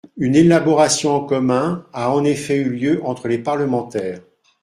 Une élaboration en commun a en effet eu lieu entre les parlementaires.